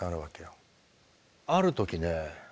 ある時ね